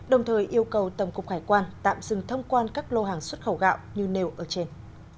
đồng thời yêu cầu tổng cục hải quan tạm dừng thông quan các lô hàng xuất khẩu gạo như nêu ở trên